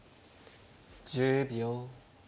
１０秒。